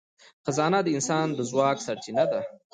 خزانه د انسان د ځواک سرچینه ده.